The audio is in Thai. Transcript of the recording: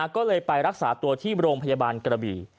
ก็เลยไปรักษาตัวที่โรงพยาบาลกระบี่